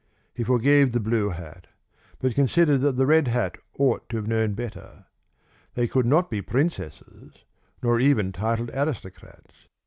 He forgave the blue hat, but considered that the red hat ought to have known better. They could not be princesses, nor even titled aristocrats.